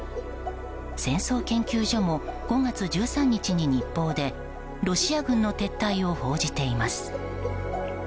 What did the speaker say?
戦争研究所も５月１３日に日報でロシア軍の撤退を報じています。